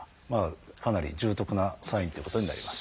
かなり重篤なサインっていうことになります。